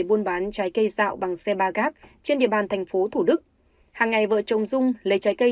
buôn bán trái cây dạo bằng xe ba gác trên địa bàn thành phố thủ đức hàng ngày vợ chồng dung lấy trái cây